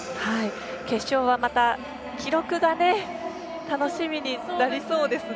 決勝はまた記録が楽しみになりそうですね。